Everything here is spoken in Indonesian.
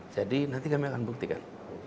jadi nanti kami akan membuktikan